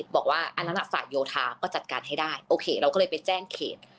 บอกว่าอันนั้นฝ่ายโยธาก็จัดการให้ได้โอเคเราก็เลยไปแจ้งเขต